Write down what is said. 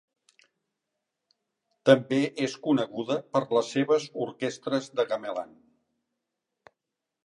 També és coneguda per les seves orquestres de gamelan.